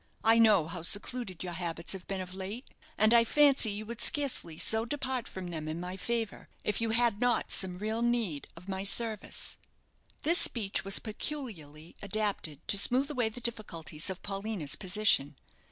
I know how secluded your habits have been of late, and I fancy you would scarcely so depart from them in my favour if you had not some real need of my service." This speech was peculiarly adapted to smoothe away the difficulties of Paulina's position.